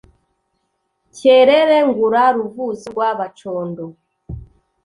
Cyerere ngura ruvuzo rwa Bacondo;